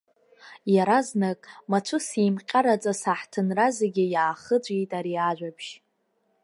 Иаразнак мацәыс еимҟьараҵас аҳҭынра зегьы иаахыҵәеит ари ажәабжь.